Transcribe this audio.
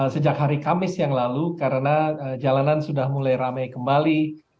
sejak hari kamis yang lalu karena jalanan sudah mulai ramai kembali